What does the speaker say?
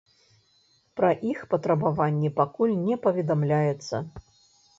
Пра іх патрабаванні пакуль не паведамляецца.